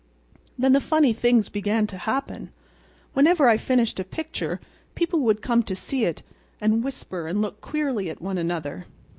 Then the funny things began to happen. Whenever I finished a picture people would come to see it, and whisper and look queerly at one another."